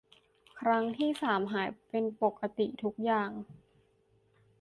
ครั้งที่สามหายเป็นปกติทุกอย่าง